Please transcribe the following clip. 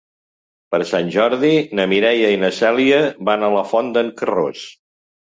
Per Sant Jordi na Mireia i na Cèlia van a la Font d'en Carròs.